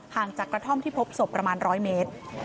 งจากกระท่อมที่พบศพประมาณ๑๐๐เมตร